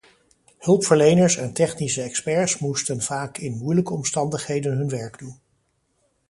Hulpverleners en technische experts moesten vaak in moeilijke omstandigheden hun werk doen.